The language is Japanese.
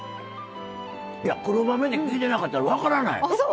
黒豆って聞いてなかったら分からない！